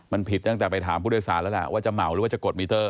มันผิดตั้งแต่ไปถามผู้โดยสารแล้วล่ะว่าจะเหมาหรือว่าจะกดมิเตอร์